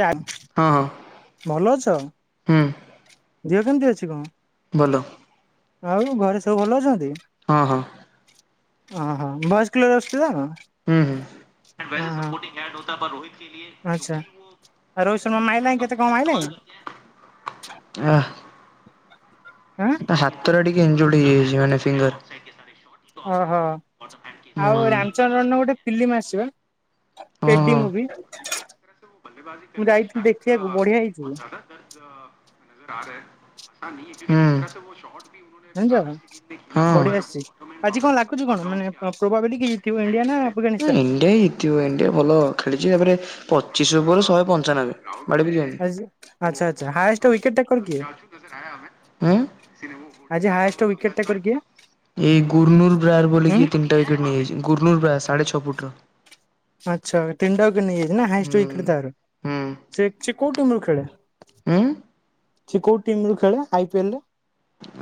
ୟା ହଁ ଭଲ ଅଛ? ହୁଁ ଦେହ କେମିତି ଅଛି କଣ? ଭଲ। ଆଉ ଘରେ ସବୁ ଭଲ ଅଛନ୍ତି? ହଁ ହଁ। ଓହୋ ଭଏଅସ୍ କ୍ଲିୟର ଅଛି ତ ହୁଁ ହୁଁ। ଓହୋ ଆଚ୍ଛା। ଆଉ ରୋହିତ ଶର୍ମା ମାଇଲାଣି କେତେ କଣ ମାଇଲାଣି ଆ ହାଁ ତା ହାତଟା ଟିକେ ଏଞ୍ଜଡ ହେଇଯାଇଛି ମାନେ ଫିଙ୍ଗର। ଓହୋ ହୁଁ ହଁ ଆଉ ହଁ। ରାମଚନରନ୍ ର ଗୋଟେ ଫିଲ୍ମ ଆସି ବା। ପେଡି ମୁଭି। ବା ମୁଁ କରରେ ଯାଇଥିଲି ଶାୟଦ ଦେଖିବାକୁ ବଢିଆ ହେଇଛି ବ ଜାଦା କର୍ ହୁଁ ଜାଣିଛ। ବଢିଆସିଛି ଆଜି କଣ ଲାଗୁଛି କଣ ମାନେ ପ୍ରୋବାବିଲଟି କି ଥିବ ଇଣ୍ଡିଆ ନା ଆଫଗାନିସ୍ତାନ? ତିବ ଇଣ୍ଡିଆ ଭଲ ଖେଳିଛି ତାପରେ ପଚିଶ ଓଭର ଶହେ ପଞ୍ଚାନବେ। କୁଆଡେ ବି ଯାଇ ଆଜି ଆଚ୍ଛା ଆଚ୍ଛା ହାଏଷ୍ଟ ୱିକେଟ୍ ଟା କର କିଏ? ତମେ ଉଁ ସି ଆଜି ହାଏଷ୍ଟ ୱିକେଟ ଟେକର କିଏ? ଏଇ ଗୁର୍ନୁର ବ୍ରାୟାର ବୋଲିି ଉଁ [unintelligible] ଟା ୱିକେଟ୍ ନେଇଯାଇଚି ଗୁର୍ନୁର ବ୍ରା ସାଢେ ଛଅ ଫୁଟ୍ ର ଆଚ୍ଛା ତିନଟା ୱିକେଟ୍ ନେଇଯାଇଚି ନା ହୁଁ ହାଏଷ୍ଟ୍ ଉଇକେଟ୍ ତାର ହୁଁ ସେ ସେ ଯୋଉ ଟିମ୍ ରୁ ଖେଳେ? ଉଁ। ସେ କୋଉ ଟିମ୍ ରୁ ଖେଳେ ଆଇ ପି ଏଲ ରେ?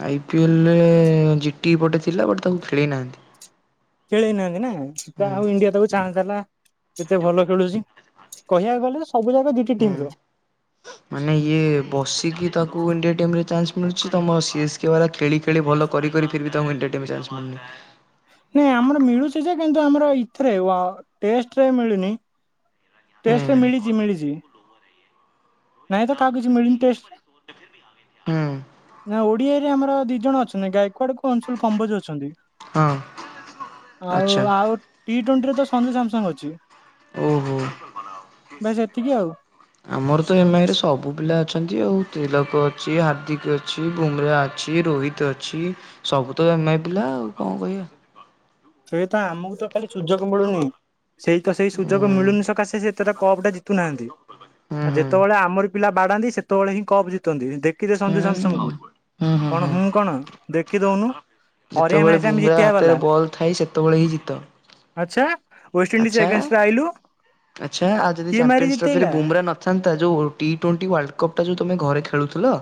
ଆଇ ପି ଏଲ ରେ ଜିଟି ପଟେ ଥିଲା ବଟ ତାକୁ ଖେଳେଇ ନାହାନ୍ତି। ଖେଳେଇ ନାହାନ୍ତି ନା [unintelligible] ହୁଁ ଆଉ ଇଣ୍ଡିଆ ତାକୁ [unintelligible] କେତେ ଭଲ ଖେଳୁଚି କହିବାକୁ ଗଲେ ସବୁ ଜାକ ଦିଟି ହୁଁ ଟିମ ର ମାନେ ଇଏ ବସିକି ତାକୁ ଇଣ୍ଡିଆ ଟିମ ରେ ଚାନ୍ସ ମିଳୁଛି ତମ ସି ଏସ୍ ସ୍କେ ବାଲା ଖେଳି ଖେଳି ଭଲ କରି କରି ଫିର୍ବି ତାଙ୍କୁ ଇଣ୍ଡିଆ ଟିମ୍ ରେ ଚାନ୍ସ ମିଳୁନି। ନାଇଁ ଆମର ମିଳୁଚି ଯେ କିନ୍ତୁ ଆମର ଇଥିରେ ୱ ଟେଷ୍ଟ ରେ ମିଳୁନି। ଟେଷ୍ଟ୍ ରେ ହୁଁ ମିଳିଚି ମିଳିଚି। ନାହିଁ ତ କାହାକୁ କିଛି ମିଳିନି ଟେଷ୍ଟରେ। ହୁଁ ନା ଓଡିଆରେ ଆମର ଦି ଜଣ ଅଛନ୍ତି ଗାୟକୱଆଡ କୁ ଅଂଶୁଲ କମ୍ବୋଜ ଅଛନ୍ତି। ହଁ ଆଉ ଆଚ୍ଛା ଆଉ ଟି ଟ୍ୱଣ୍ଟିରେ ତ ସଞ୍ଜୁ ସାମସଙ୍ଗ ଅଛି। ଓହୋ। ବାସ୍ ଏତିକି ଆଉ। ଆମର ତ ଏମ୍ ଆଇ ରେ ସବୁ ପିଲା ଅଛନ୍ତି ଆଉ ତିିଲକ ଅଛି ହାର୍ଦ୍ଦିକ ଅଛି ବୁମ୍ରା ଅଛି ରୋହି ତ୍ ଅଛି ସବୁ ତ ଏମ୍ ଆଇ ପିଲା ଆଉ କଣ କହିବା। ସେଇ ତ ଆମୁକୁ ତ ଖାଲି ସୁଯୋଗ ମିଳୁନି ସେଇ ତ ସେଇ ହୁଁ ସୁଯୋଗ ମିଳୁନି ସକାଶେ ସେ [unintelligible] କପ୍ ଟା ଜିତୁନାହାନ୍ତି ହୁଁ ହୁଁ ଆଉ ହୁଁ। ଯେତବେଳେ ଆମରି ପିଲା ବାଡାନ୍ତି ସେତବେଳେ ହିଁ କପ୍ ଜିତନ୍ତି ଦେ କି ଦେ ସଞ୍ଜୁ ସାମସଙ୍ଗ କୁ ହୁଁ କଣ ହୁଁ କଣ ଦେଖି ଦଉନୁ। ଯେତବେଳେ ବୁମ୍ରା ହାତରେ ବଲ୍ ଥାଇ ସେତେବେଳେ ହିଁ ଜିତ। ଆଚ୍ଛା ୱେଷ୍ଟଇଣ୍ଡିଜ ଆଚ୍ଛା। ଏଗେନଷ୍ଟ ଆଇଲୁ କିଏ ମାରି ଜିତେଇଲା? ଆନ୍ତା ଯୋଉ ଟି ଟ୍ବଣ୍ଟି ୱାଲ୍ଡକପ୍ ଟା ଯୋଉ ତମେ ଘରେ ଖେଳୁଥୁଲ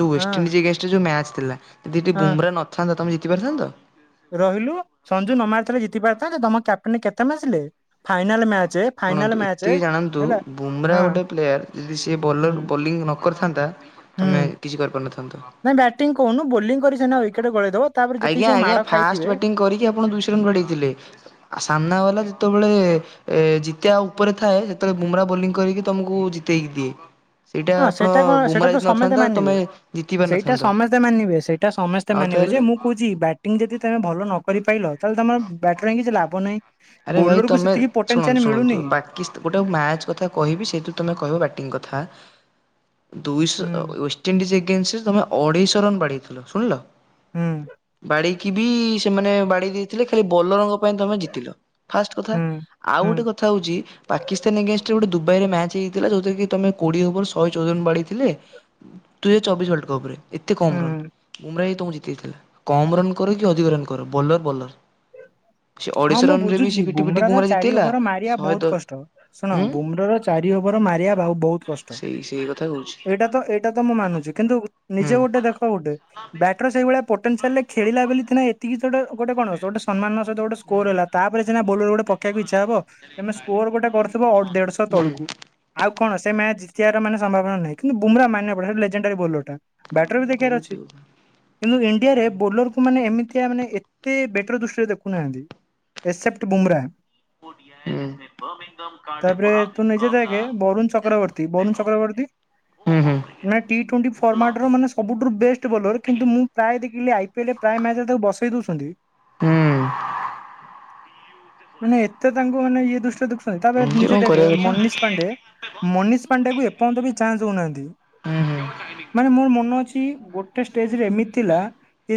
ଯୋଉ ହଁ ୱେଷ୍ଟେଣ୍ଡିଜ୍ ଏଗେନଷ୍ଟ ରେ ଯୋଉ ମ୍ୟାଚ ଥିଲା [unintelligible] ହଁ ବୁମ୍ରା ନଥାନ୍ତା ତମେ ଜିତି ପାରିଥାନ୍ତ। ରହିଲୁ ସଞ୍ଜୁ ନ ମାରି ଥିଲେ ଜିତିପାରିଥାନ୍ତେ ତମ କ୍ୟାପ୍ଟେନ କେତେ ମାଆସିଲେ? ଶୁଣନ୍ତୁ ଏତିକି ଜାଣନ୍ତୁ ହେଲା ବୁମ୍ରା ହଁ ଗୋଟେ ପ୍ଲେୟାର ଯଦି ସିଏ ହୁଁ ବଲର ବୋଲିଙ୍ଗ ନ କରିଥାନ୍ତା ତମେ କିଛି କରିପାରୁିନଥାନ୍ତ। ଟିଂ କହୁନୁ ବୋଲିଂ କରି ସିନା ୱିକେଟ ଗଳେଇଦବ। ତାପରେ ଯେତିକି ଆଜ୍ଞା ସବୁ ଆଜ୍ଞା ମାଡ ଖାଇଥିବେ ଫାଷ୍ଟ ବ୍ୟାଟିଂ କରିକି ଆପଣ ଦୁଇଶହ ରନ୍ ବାଡେଇଥିଲେ। ଆଉ ସାମ୍ନା ବାଲା ଯେତବେଳେ ଏ ଜିତିବା ଉପରେ ଥାଏ ସେତବେଳେ ବୁମ୍ରା ବୋଲିଂ କରିକି ତମୁକୁ ଜିତେଇ ଦିଏ। ହଁ ଆପଣ ସେଇଟା କଣ ସେଇଟା ବୁମ୍ରା ତ ଯଦି ସମେତେ ନଥାନ୍ତା ମାନିବେ ତମେ ଜିତି ସେଇଟା ପାରିନଥାନ୍ତ। ସମସ୍ତେ ମାନିବେ ସେଇଟା ସମସ୍ତେ ଆଉ ମାନିବେ ତାହେଲେ ଯେ ମୁଁ କୋଉଚି ବ୍ୟାଟିଂ ଯଦି ତମେ ଭଲ ନ କରି ପାଇଲ ତାହେଲେ ତମର ବ୍ୟାଟର ହେଇ କିଛି ଲାଭ ନାହିଁ। ବୋଲୋର କୁ ସେତିକି ପଟେନ୍ସିଆନ୍ ମିଳୁନି। କିସ୍ ତ ଗୋଟେ ମ୍ୟାଚ୍ କଥା କହିବି ସେଇଠୁ ତମେ କହିବ ବ୍ୟାଟିଂ କଥା। ଦୁଇଶହ ହୁଁ ୱେଷ୍ଟେଇଣ୍ଡିଜ ଏଗେନ୍ସରେ ତମେ ଅଢେଇଶହ ରନ୍ ବାଡେଇଥିଲ ଶୁଣିଲ। ହୁଁ ବାଡେଇକି ବି ସେମାନେ ବାଡେଇ ଦେଇଥିଲେ ଖାଲି ବୋଲରଙ୍କ ପାଇଁ ତମେ ଜିତିଲ। ଫାଷ୍ଟ କଥା ହୁଁ ଆଉ ହୁଁ ଗୋଟେ କଥା ହଉଚି ପାକିସ୍ତାନି ଏଗେନଷ୍ଟ ରେ ଗୋଟେ ଦୁବାଇରେ ମ୍ୟାଚ ହେଇ ଥିଲା ଯୋଉଥିରେ କି ତମେ କୋଡିଏ ଓଭର ଶହେ ଚଉଦନ ବାଡେଇଥିଲେ ଦୁଇ ହଜାର ଚବିଶ ୱାଲଡ କପ ରେ। ଏତେ କମ୍ ହୁଁ ରନ୍ ବୁମ୍ରା ହି ତମକୁ ଜିତେଇଥିଲା କମ୍ ରନ୍ କର କି ଅଧିକ ରନ୍ କର ବଲର ବଲର। ସେ ହଁ ଅଢେଇଶ ମୁଁ ରନ ରେ ବି ବୁଝୁଛି ପିଟି ପିଟି ବୁମ୍ରାର ବୁମ୍ରା ଚାରି ଜିତେଇଲା ଓଭର ମାରିବା ଶହେ ବହୁତ ଦ କଷ୍ଟ ଶୁଣ ଉଁ ବୁମ୍ରାର ଚାରି ଓଭର ମାରିବା ଭାଉ ବହୁତ କଷ୍ଟ। ସେଇ ସେଇ କଥା କହୁଛି ଟ ଏଇଟା ତ ଏଇଟା ତ ମୁଁ ମାନୁଚି କିନ୍ତୁ ହୁଁ। ନିଜେ ଗୋଟେ ଦେଖ ଗୋଟେ ବ୍ୟାଟର ସେଇଭଳିଆ ପୋଟେନସିଆଲରେ ଖେଳିଲା ବୋଲି ଥିନା ଏତିକି [unintelligible] ଗୋଟେ କଣ ଗୋଟେ ସମ୍ମାନର ସହିତ ଗୋଟେ ସ କୋର ହେଲା ତାପରେ ସିନା ବୋଲର ଗୋଟେ ପକେଇବାକୁ ଇଚ୍ଛା ହବ। ତମେ ସ୍କୋର ଗୋଟେ କରିଥିବ ଦେଢଶହ ହୁଁ ତଳକୁ। ଆଉ କଣ ସେ ମ୍ୟାଚ ଜିତିବାର ମାନେ ସମ୍ଭାବନା ନାହିଁ କିନ୍ତୁ ବୁମ୍ର ମାନେ ଲେଗେଣ୍ଡରୀ ବୋଲର ଟା ବ୍ୟାଟର ବି ଦେଖାର ଅଛି କହୁଛି କଥା କିନ୍ତୁ ଇଣ୍ଡିଆରେ ହୁଁ। ବୋଲର। ମାନେ ଏମିତିଆ ମାନେ ଏତେ ବେଟର ଦୃଷ୍ଟିରେ ଦେଖୁନାହାନ୍ତି। ଏସେପ୍ଟ ବୁମରା। ତାପରେ ତୁ ନିଜତ କେ ବରନ ଚକ୍ରବ ତି ବାରୁନ ଚକ୍ରବର୍ଡି ହୁଁ ହୁଁ। ମାନେ ଟି ଟ୍ୱେଣ୍ଟି ଫର୍ମାଟ ର ମାନେ ସବୁଠୁ ବେଷ୍ଟ ବୋଲର କିନ୍ତୁ ମୁଁ ପ୍ରାୟ ଦେଖିଲି ଆଇ ପିଏଲ। ପ୍ରାୟ ମ୍ୟାଚରେ ତାକୁ ବସେଇ ଦଉଛନ୍ତି। ହୁଁ ମାନେ ଏତେ ତାଙ୍କୁ ମାନେ ଇଏ ଦୃଷ୍ଟିରେ ଦେଖୁଛନ୍ତି ତାପରେ ନିଜେ ଦେଖ ମନିଷ ପାଣ୍ଡେ। ମନୀଷ ପାଣ୍ଡ୍ୟାକୁ ଏପର୍ଯ୍ୟନ୍ତ ବି ଚାନ୍ସ ଦେଉନାହାନ୍ତି। ମାନେ ମୋର ମନ ଅଛି ଗୋଟେ ଷ୍ଟେଜ ରେ ଏମିତି ଥିଲା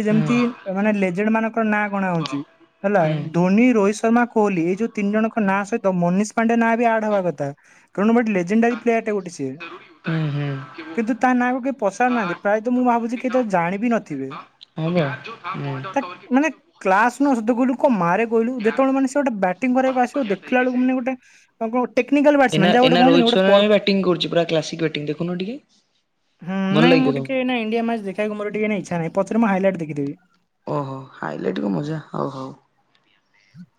ଏ ଯେମିତି ମାନେ ଲେଜେଡ୍ ମାନଙ୍କର ନାଁ ଗଣା ହଉଛି। ହେଲା ଧୋନି ରୋହିତ ଶର୍ମା କୋହଲି ଏଇ ଯୋଉ ତିନି ଜଣଙ୍କ ନାଁ ସହିତ ତ ମନୀଷ ପାଣ୍ଡେ ନାଁ ବି ଆଡ ହବା କଥା କାରଣ ଗୋଟେ ଲେଜେଣ୍ଡାରୀ ପ୍ଲେୟାର ଟା ଗୋଟେ ସିଏ କିନ୍ତୁ ତା ନାଁ କୁ କିଏ ପଚାରୁ ନାହାନ୍ତି ପ୍ରାୟତଃ ମୁଁ ଭାବୁଛି କେ ତ ଜାଣିବି ନଥିବେ ହବ ହୁଁ ତା ମାନେ। କ୍ଲାସ ନଧିଲୁ କଣ ମାରେ କହଲୁ ଯେତେବେଳେ ମାନ ସେ ଗୋଟେ ବା ଟିଙ୍ଗ କରିବାକୁ ଆସିବ ଦେଖିଲା ବେଳକୁ ମାନେ ଗୋଟେ କଣ ଟେକ୍ନିକାଲ ବାଟସ ଏନା ମାନ୍ ଯାହା ଗଟ କହନି ପର୍ ଟିଙ୍ଗ ଦେଖୁନ ଟିକେ। ଭଲ ନାଇଁ ଲାଗିବ ମୁଁ ତମକୁ ଟିକେ ଏଇନା ଇଣ୍ଡିଆ ମାଚ ଦେଖକୁ ମୋର ଟିକେ ଇଛା ନାହିଁ ପଛରେ ମୁ ହାଇଲାଇଟ ଦେଖିଦେବି। ଓହୋ ହାଇଲାଇଟ କ ମଜା ହଉ ହଉ।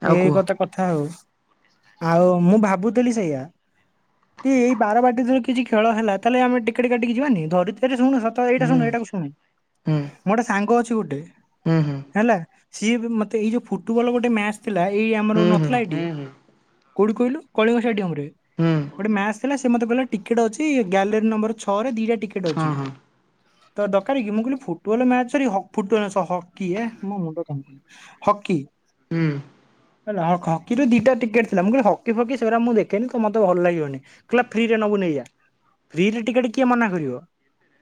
ଆଉ ଏଇ କୁହ କଥା କଥା ହଉ ଆଉ ମୁଁ ଭାବୁଥିଲି ସେଇଆ। କି ଏଇ ବାରବାଟଟିୀରେ କିଛି ଖେ ହେ ତାହେଲେ ଆମେ ଟିକେଟ କାଟି ଯାନ ଧରିତରେ ଶୁଣ। ତ ଏଇଟା ହୁଁ ଶୁଣୁ ଏଇଟାକୁ ଶୁଣୁ ହୁଁ ମୁ ଗୋଟେ ସାଙ୍ଗ ଅଛି ଗୋଟେ। ହୁଁ ହୁଁ। ହେଲା ସିଏ ବି ମତେ ଏଇ ଯୋଉ ଫୁଟବଲ ଗୋଟେ ମ୍ୟାଚ ଥିଲା ଏଇ ଆମର ହୁଁ ହୁଁ ନଥିଲା ହୁଁ ଏଇଠି। ହୁଁ କୋଉଠି କହିଲୁ କଳିଙ୍ଗ ଷ୍ଟାଡିୟମ ରେ ହୁଁ ଗୋଟେ ମ୍ୟାଚ ଥିଲା ସେ ମତେ କହିଲା ଟିକେଟ୍ ଅଛି ଗ୍ୟାଲେରୀ ନମ୍ବର ଛଅରେ ଦିଟା ଟିକେଟ୍ ହଁ ଅଛି। ହଁ ତ ଦରକାର କି ମୁଁ କହିଲି ଫୁଟବଲ ମ୍ୟାଚ ସରି ଫୁଟବଲ ହକି ଏ ମୋ ମୁଣ୍ଡ କାମ ହକି। ହୁଁ। ହେଲା ହକିର ଦିଟା ଟିକେଟ ଥିଲା ମୁଁ କିହିଲି ହକି ଫକି ସେଗୁରା ମୁ ଦେଖନି ତ ମତେ ଭଲ ଲାଗିବନି। କିହିଲା ଫ୍ରିରେ ନବୁ ନେଇଯା। ଫ୍ରିରେ ଟିକେଟ୍ କିଏ ମନା କରିବ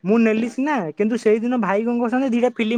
ମୁଁ ନେଲି ସିନା କିନ୍ତୁ ସେଇ ଦିନ ଭାଇ କଣ କରିଛନ୍ତି ଦିଟା ଫିଲିମ